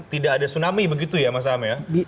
tidak ada tsunami begitu ya mas amir